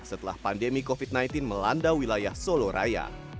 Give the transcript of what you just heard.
setelah pandemi covid sembilan belas melanda wilayah solo raya